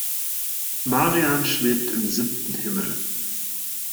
Marian schwebt im siebten Himmel.